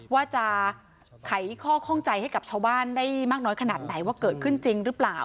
ว่าจะไขข้อข้องใจให้กับชาวบ้านได้มากน้อยขนาดไหนว่าเกิดขึ้นจริงหรือเปล่า